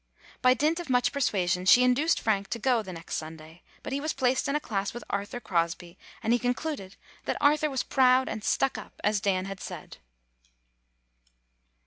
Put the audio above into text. By dint of much persua sion, she induced Frank to go the next Sunday ; but he was placed in a class with Arthur Crosby, and he concluded then that Arthur was proud and "stuck up," as Dan had said.